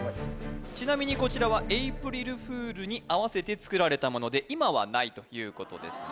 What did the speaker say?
ちなみにこちらはエイプリルフールに合わせて作られたもので今はないということですね